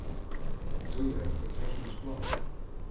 Toe ju, do triuwst my hast plat.